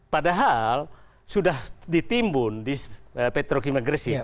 padahal sudah ditimbun di petro kimia gersik